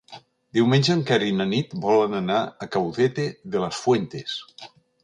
Diumenge en Quer i na Nit volen anar a Caudete de las Fuentes.